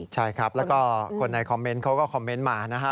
ใช่ครับแล้วก็คนในคอมเมนต์เขาก็คอมเมนต์มานะฮะ